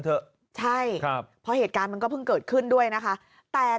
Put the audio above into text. เถอะใช่ครับเพราะเหตุการณ์มันก็เพิ่งเกิดขึ้นด้วยนะคะแต่